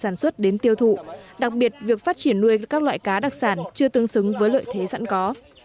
sản xuất đến tiêu thụ đặc biệt việc phát triển nuôi với các loại cá đặc sản chưa tương xứng với lợi thế sẵn có